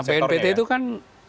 nah bnpt itu kan